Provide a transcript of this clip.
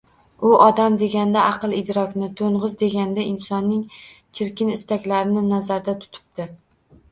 U odam deganda aql-idrokni, to‘ng‘iz deganda insonning chirkin istaklarini nazarda tutibdi